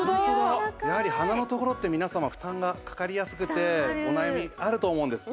やはり鼻のところって皆様負担がかかりやすくてお悩みあると思うんです。